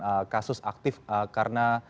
atau apakah ini adalah kasus aktif karena